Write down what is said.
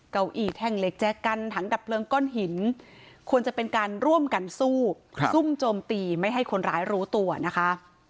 เก้าอี้แท่งเหล็กแจกกันถังดับเพลิงก้อนหินควรจะเป็นการร่วมกันสู้ซุ่มโจมตีไม่ให้คนร้ายรู้ตัวนะคะ